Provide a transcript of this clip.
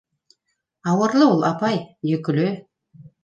Ауырлы ул, апай, йөклө...